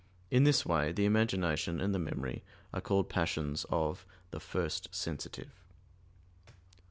In this way the imagination and the memory are called passions of the "first sensitive."